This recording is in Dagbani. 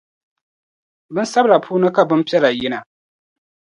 Bin’ sabila puuni ka bim’ piɛla yina.